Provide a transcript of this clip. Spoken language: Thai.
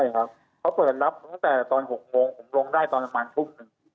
ใช่ครับเขาเปิดรับตั้งแต่ตอน๖โมงผมลงได้ตอนประมาณทุ่มหนึ่ง